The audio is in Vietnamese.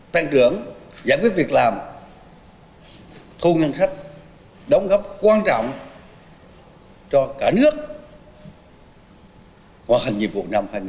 tăng trưởng giải quyết việc làm thu ngân sách đóng góp quan trọng cho cả nước hoàn thành nhiệm vụ năm hai nghìn hai mươi